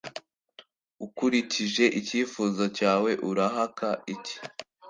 Ukurikije icyifuzo cyawe urahaka iki